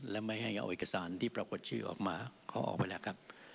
และไม่ให้เอาเอกสารที่ปรากฏชื่อออกมาเขาออกไปแล้วครับ